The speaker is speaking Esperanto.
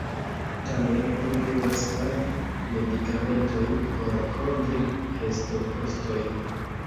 Tamen oni devas pagi medikamentojn por kovri restokostojn.